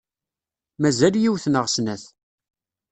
Mazal yiwet neɣ snat.